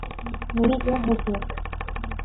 میری کیا حیثیت؟